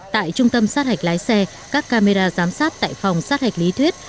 tại trung tâm sát hạch lái xe các camera giám sát tại phòng sát hạch lý thuyết